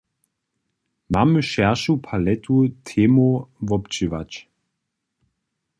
Mamy šěršu paletu temow wobdźěłać.